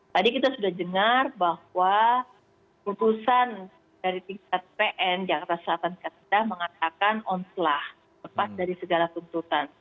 tadi kita sudah dengar bahwa keputusan dari tingkat pn jakarta selatan kasih tidak mengatakan onselah lepas dari segala tuntutan